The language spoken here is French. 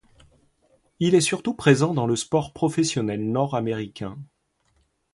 Il est surtout présent dans le sport professionnel nord-américain.